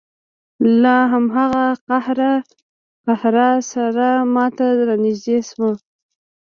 له هماغه قهره سره ما ته را نږدې شو.